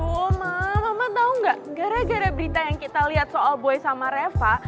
duh mam mama tau gak gara gara berita yang kita liat soal boy sama reva